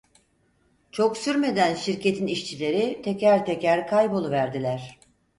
Çok sürmeden şirketin işçileri teker teker kayboluverdiler.